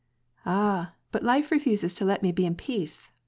Ah, but life refuses to let me be in peace